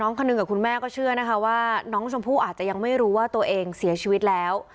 คนหนึ่งกับคุณแม่ก็เชื่อนะคะว่าน้องชมพู่อาจจะยังไม่รู้ว่าตัวเองเสียชีวิตแล้ว